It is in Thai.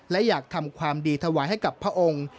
และอยากทำความดีถวายให้กับพระองค์